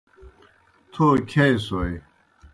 تھو کِھیائیسوئے۔